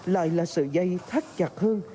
lại là sự dây thắt chặt hơn